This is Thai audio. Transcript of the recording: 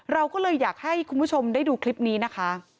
เราก็เลยอยากให้คุณผู้ชมได้ดูคลิปนี้นะคะ